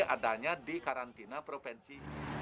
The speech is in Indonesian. adanya di karantina provinsi